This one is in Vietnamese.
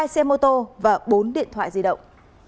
hai xe mô tô và bốn điện thoại di động